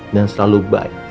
dan selalu baik